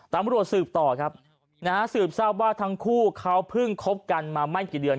ตามบริโรทสืบต่อสืบทราบว่าทั้งคู่เขาเพิ่งคบกันมาไม่กี่เดือน